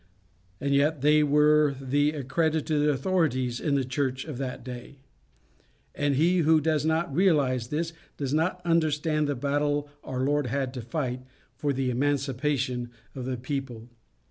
And yet they were the accredited authorities in the church of that day; and he who does not realize this, does not understand the battle our Lord had to fight for the emancipation of the people.